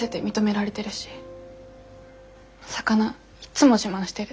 魚いっつも自慢してる。